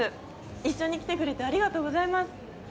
一緒に来てくれてありがとうございます。